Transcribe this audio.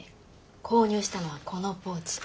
購入したのはこのポーチ。